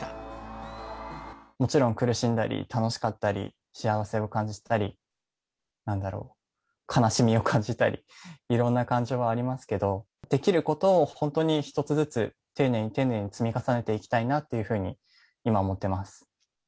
もちろん苦しんだり、楽しかったり、幸せを感じたり、なんだろう、悲しみを感じたり、いろんな感情がありますけど、できることを本当に一つずつ、丁寧に丁寧に積み重ねていきたいなっていうふうに、今思ってます。